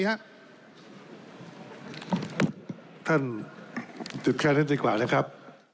ท่านหยุดแค่นั้นดีกว่านะครับ